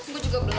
gue juga belum kak